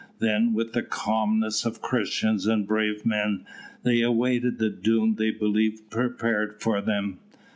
Then, with the calmness of Christians and brave men, they awaited the doom they believed prepared for them.